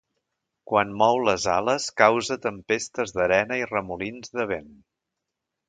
Quan mou les ales causa tempestes d'arena i remolins de vent.